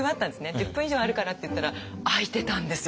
１０分以上あるからって言ったら開いてたんですよ